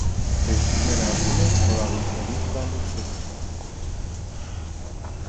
Բժիշկները ասում են, որ աղիքների հիվանդություն ունի: